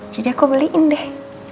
jadi aku beliin deh